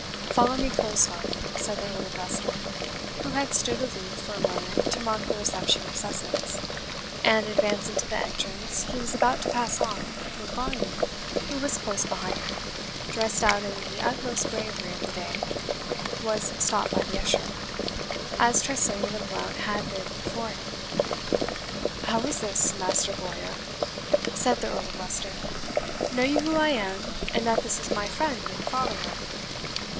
"Follow me close, Varney," said the Earl of Leicester, who had stood aloof for a moment to mark the reception of Sussex; and advancing to the entrance, he was about to pass on, when Varney, who was close behind him, dressed out in the utmost bravery of the day, was stopped by the usher, as Tressilian and Blount had been before him, "How is this, Master Bowyer?" said the Earl of Leicester. "Know you who I am, and that this is my friend and follower?"